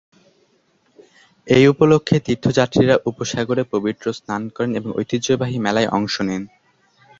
এই উপলক্ষে তীর্থযাত্রীরা উপসাগরে পবিত্র স্নান করেন এবং ঐতিহ্যবাহী মেলায় অংশ নেন।